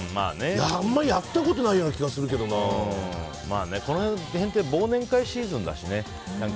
あんまやったことないようなこの辺って忘年会シーズンだしね。